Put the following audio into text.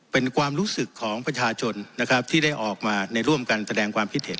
เป็นความรู้สึกของประชาชนนะครับที่ได้ออกมาในร่วมกันแสดงความคิดเห็น